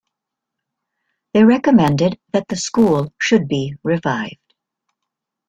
They recommended that the school should be revived.